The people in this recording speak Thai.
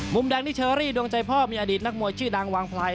มุมแดงนี่เชอรี่ดวงใจพ่อมีอดีตนักมวยชื่อดังวางไพร